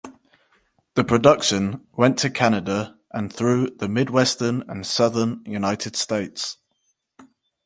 The production went to Canada and through the midwestern and southern United States.